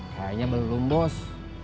kayaknya belum bos